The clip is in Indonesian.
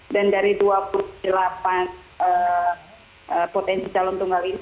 dan dari dua puluh delapan potensi calon tunggal ini